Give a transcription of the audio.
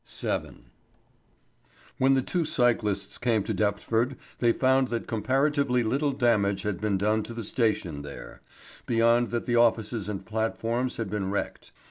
VII. When the two cyclists came to Deptford, they found that comparatively little damage had been done to the station there, beyond that the offices and platforms had been wrecked.